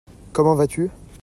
Comment vas-tu ?